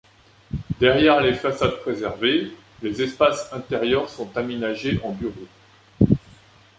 Derrière les façades préservées, les espaces intérieurs sont aménagés en bureaux.